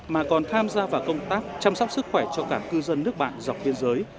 mà còn tham gia vào công tác chăm sóc sức khỏe cho cả cư dân nước bạn dọc biên giới